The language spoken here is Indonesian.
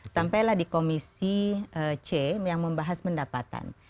sampailah di komisi c yang membahas pendapatan